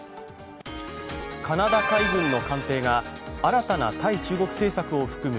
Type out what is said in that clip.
カナダ海軍の鑑定が新たな対中国政策を含む